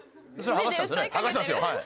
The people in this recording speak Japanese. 剥がしたんですね。